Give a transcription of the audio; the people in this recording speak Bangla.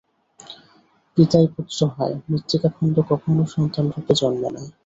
পিতাই পুত্র হয়, মৃত্তিকাখণ্ড কখনও সন্তানরূপে জন্মে না।